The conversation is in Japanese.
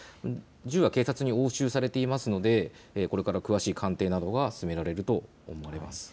銃は警察に押収されていますのので、これから詳しい鑑定などが進められると思われます。